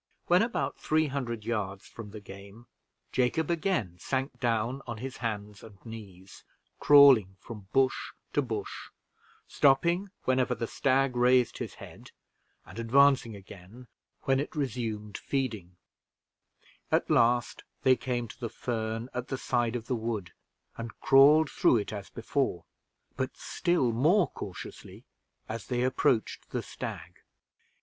When about three hundred yards from the game, Jacob again sunk down on his hands and knees, crawling from bush to bush, stopping whenever the stag raised his head, and advancing again when it resumed feeding; at last they came to the fern at the side of the wood, and crawled through it as before, but still more cautiously as they approached the stag.